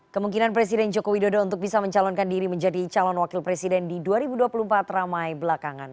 kemungkinan presiden joko widodo untuk bisa mencalonkan diri menjadi calon wakil presiden di dua ribu dua puluh empat ramai belakangan